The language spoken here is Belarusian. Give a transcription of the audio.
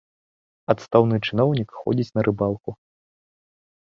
Адстаўны чыноўнік ходзіць на рыбалку.